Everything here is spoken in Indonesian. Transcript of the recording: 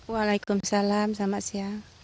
waalaikumsalam selamat siang